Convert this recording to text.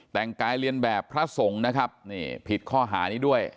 แต่งกายเรียนแบบพระสงฆ์นะครับนี่ผิดข้อหานี้ด้วย